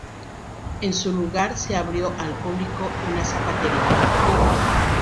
En su lugar se abrió al público una zapatería.